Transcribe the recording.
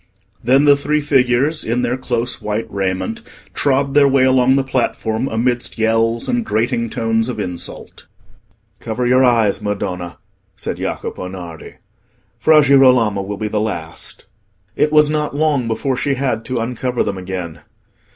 Then the three figures, in their close white raiment, trod their way along the platform, amidst yells and grating tones of insult. "Cover your eyes, Madonna," said Jacopo Nardi; "Fra Girolamo will be the last." It was not long before she had to uncover them again.